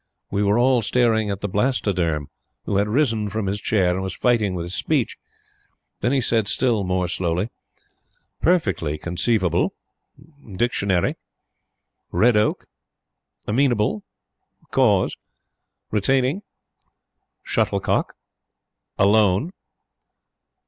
We were all staring at the Blastoderm, who had risen from his chair and was fighting with his speech. Then he said, still more slowly: "Perfectly conceivable dictionary red oak amenable cause retaining shuttlecock alone."